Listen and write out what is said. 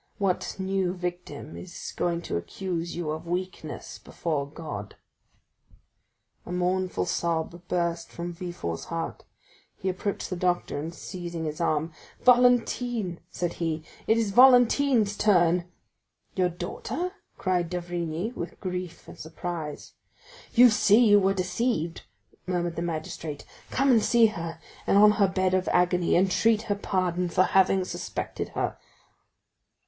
What new victim is going to accuse you of weakness before God?" A mournful sob burst from Villefort's heart; he approached the doctor, and seizing his arm,—"Valentine," said he, "it is Valentine's turn!" 40284m "Your daughter!" cried d'Avrigny with grief and surprise. "You see you were deceived," murmured the magistrate; "come and see her, and on her bed of agony entreat her pardon for having suspected her."